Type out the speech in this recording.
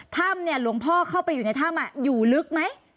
ถ้ำเนี่ยหลวงพ่อเข้าไปอยู่ในถ้ำอยู่ลึกไหม